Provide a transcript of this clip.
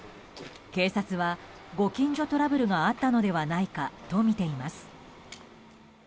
警察は、ご近所トラブルがあったのではないかとみています。